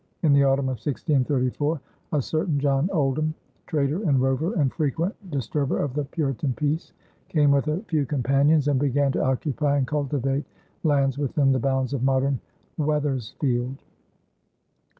In the autumn of 1634 a certain John Oldham, trader and rover and frequent disturber of the Puritan peace, came with a few companions and began to occupy and cultivate lands within the bounds of modern Wethersfield.